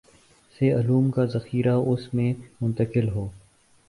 سے علوم کا ذخیرہ اس میں منتقل ہو